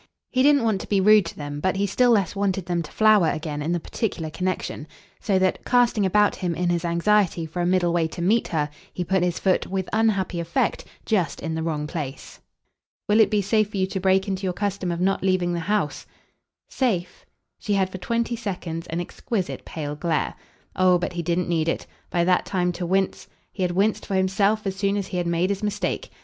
He didn't want to be rude to them, but he still less wanted them to flower again in the particular connexion; so that, casting about him in his anxiety for a middle way to meet her, he put his foot, with unhappy effect, just in the wrong place. "Will it be safe for you to break into your custom of not leaving the house?" "'Safe' ?" She had for twenty seconds an exquisite pale glare. Oh but he didn't need it, by that time, to wince; he had winced for himself as soon as he had made his mistake.